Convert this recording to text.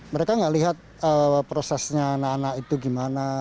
mereka tidak melihat prosesnya anak anak itu bagaimana